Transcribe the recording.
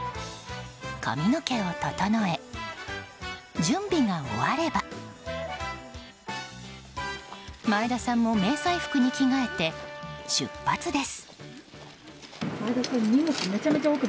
髪の毛を整え、準備が終われば前田さんも迷彩服に着替えて出発です。